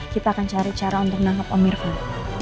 kita akan cari cara untuk menangkap om irfan